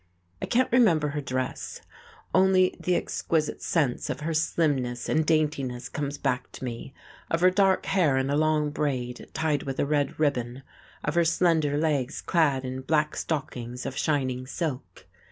I can't remember her dress, only the exquisite sense of her slimness and daintiness comes back to me, of her dark hair in a long braid tied with a red ribbon, of her slender legs clad in black stockings of shining silk.